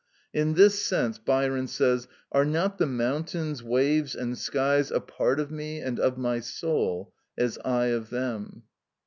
In this sense Byron says— "Are not the mountains, waves, and skies, a part Of me and of my soul, as I of them?"